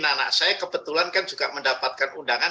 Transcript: anak anak saya kebetulan kan juga mendapatkan undangan